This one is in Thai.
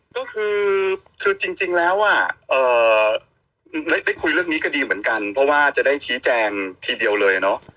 ก็คือจริงแล้วได้คุยเรื่องนี้ก็ดีเหมือนกันเพราะว่าจะได้ชี้แจงทีเดียวเลยเนอะ